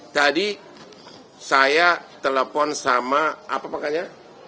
tadi saya telepon sama apa pokoknya